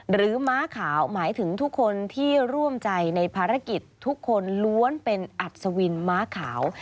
ม้าขาวหมายถึงทุกคนที่ร่วมใจในภารกิจทุกคนล้วนเป็นอัศวินม้าขาว